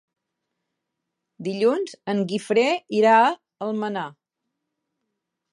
Dilluns en Guifré irà a Almenar.